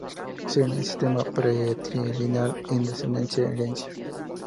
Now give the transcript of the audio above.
Siguen un sistema patrilineal de descendencia y herencia.